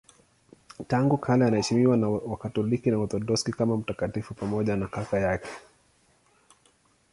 Tangu kale anaheshimiwa na Wakatoliki na Waorthodoksi kama mtakatifu pamoja na kaka yake.